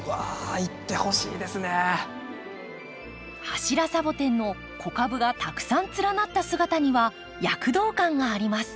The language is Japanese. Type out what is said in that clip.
柱サボテンの子株がたくさん連なった姿には躍動感があります。